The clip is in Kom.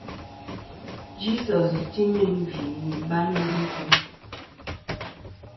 Jesus ti meyn gvì nɨ̀ ibayni a mbvɨ.